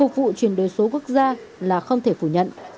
vụ chuyển đổi số quốc gia là không thể phủ nhận